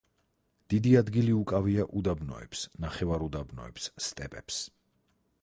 დიდი ადგილი უკავია უდაბნოებს, ნახევარუდაბნოებს, სტეპებს.